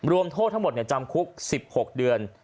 รวมโทษทั้งหมดจำคุก๑๖เดือน